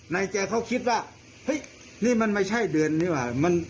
แจเขาคิดว่าเฮ้ยนี่มันไม่ใช่เดือนนี้ว่ะ